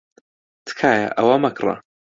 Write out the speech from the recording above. تکایە ئەوە مەکڕە.